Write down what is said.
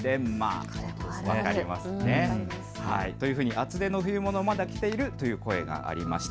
厚手の冬物、まだ着ているという声、ありました。